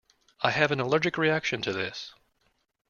I have an allergic reaction to this.